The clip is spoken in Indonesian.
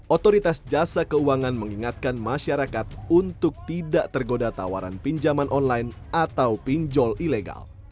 otoritas jasa keuangan mengingatkan masyarakat untuk tidak tergoda tawaran pinjaman online atau pinjol ilegal